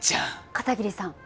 片桐さん！